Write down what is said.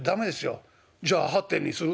「じゃあ８点にする？」。